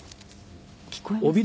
聞こえますか？